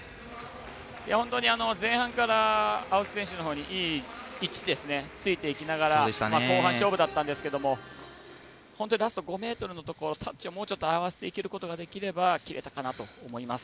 本当に前半から青木選手のほうにいい位置ついていきながら後半、勝負だったんですけどラスト５ｍのところ、タッチをもうちょっと合わせていければ切れたかなと思います。